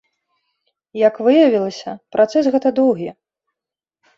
Як выявілася, працэс гэта доўгі.